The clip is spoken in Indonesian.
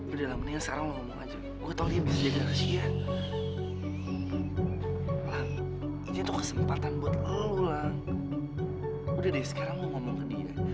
udah dari sekarang lu ngomong ke dia